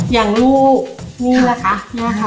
อย่างรูนี่แหละค่ะ